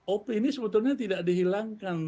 op ini sebetulnya tidak dihilangkan